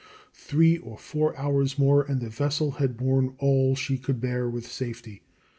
Three or four hours more and the vessel had borne all she could bear with safety.